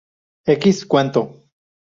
X cuanto?